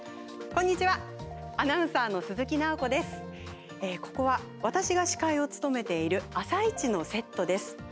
ここは、私が司会を務めている「あさイチ」のセットです。